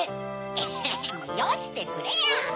エヘヘよしてくれよ！